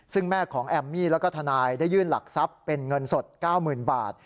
ซึ่งแม่ของแอมมี่แล้วก็ทนายได้ยื่นหลักทรัพย์เป็นเงินสด๙๐๐๐บาท